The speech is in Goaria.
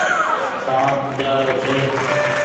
سآنپ جآ رو ڇي۔